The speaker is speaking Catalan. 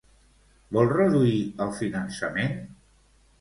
Vol reduir el finançament?